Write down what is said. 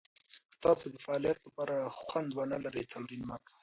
که تاسو د فعالیت لپاره خوند ونه لرئ، تمرین مه کوئ.